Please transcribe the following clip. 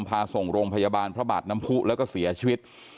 พาส่งโรงพยาบาลพระบาทน้ำผู้แล้วก็เสียชีวิต